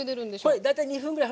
これ大体２分ぐらい。